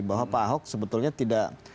bahwa pak ahok sebetulnya tidak